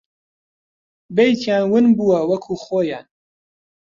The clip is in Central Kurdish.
بەیتیان ون بووە وەکوو خۆیان